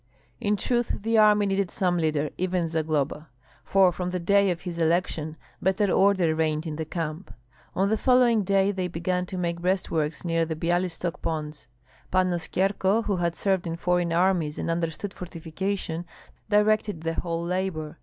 In truth, the army needed some leader, even Zagloba; for from the day of his election better order reigned in the camp. On the following day they began to make breastworks near the Byalystok ponds. Pan Oskyerko, who had served in foreign armies and understood fortification, directed the whole labor.